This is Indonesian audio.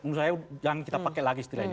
menurut saya jangan kita pakai lagi istilah ini